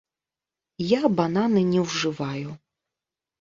Я бананы не ўжываю.